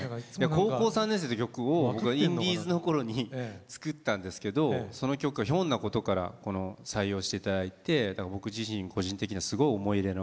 「高校３年生」って曲を僕がインディーズのころに作ったんですけどその曲をひょんなことから採用して頂いてだから僕自身個人的にはすごい思い入れの。